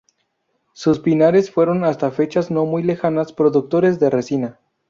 Sus pinares fueron, hasta fechas no muy lejanas, productores de resina.